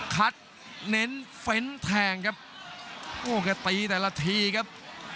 เน้นเฟ้นแทงครับโอ้แกตีแต่ละทีครับ